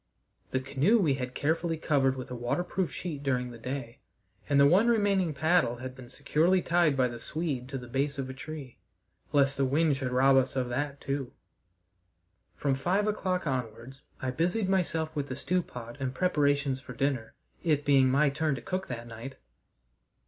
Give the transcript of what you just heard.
The canoe we had carefully covered with a waterproof sheet during the day, and the one remaining paddle had been securely tied by the Swede to the base of a tree, lest the wind should rob us of that too. From five o'clock onwards I busied myself with the stew pot and preparations for dinner, it being my turn to cook that night.